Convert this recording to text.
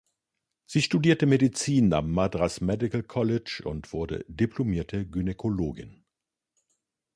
Sie studierte Medizin am Madras Medical College und wurde diplomierte Gynäkologin.